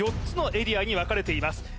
４つのエリアに分かれています